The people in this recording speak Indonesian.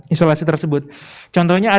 isolasi tersebut contohnya